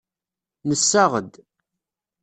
Nessaɣ-d.